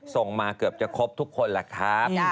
ส่งมาเกือบจะครบทุกคนแหละครับ